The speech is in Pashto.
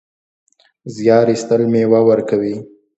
زیار ایستل مېوه ورکوي